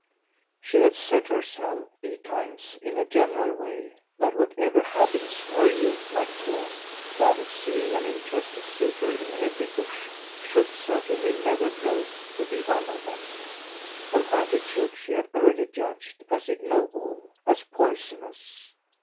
She had said to herself betimes, in a general way, that whatever habits her youth might form, that of seeing an interested suitor in every bush should certainly never grow to be one of them an attitude she had early judged as ignoble, as poisonous.